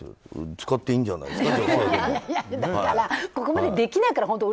使っていいんじゃないですか？